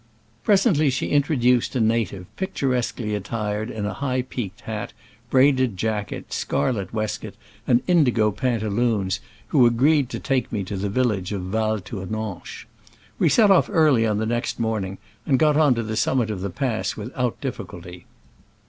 Presently she in troduced a native picturesquely attired in high peaked hat, braided jacket, scarlet waistcoat and indigo pantaloons, who agreed to take me to the village of Val Tournanche. We set off early on the next morning, and got to the summit of the pass wfthout difficulty.